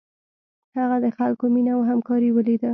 هغه د خلکو مینه او همکاري ولیده.